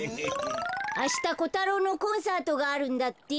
・あしたコタロウのコンサートがあるんだって。